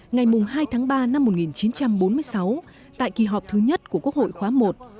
ngày hai tháng ba năm một nghìn chín trăm bốn mươi sáu tại kỳ họp thứ nhất của quốc hội khóa i